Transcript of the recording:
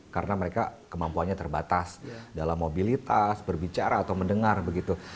karena mereka kemampuannya terbatas dalam mobilitas berbicara atau mendengar begitu